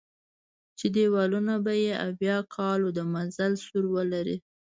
چې دېوالونه به یې اویا کالو د مزل سور ولري.